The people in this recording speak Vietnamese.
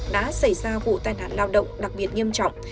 đã xảy ra vụ tai nạn lao động đặc biệt nghiêm trọng